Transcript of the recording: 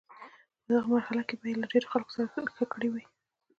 په دغه مرحله کې به یې له ډیرو خلکو سره ښه کړي وي.